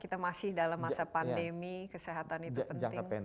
kita masih dalam masa pandemi kesehatan itu penting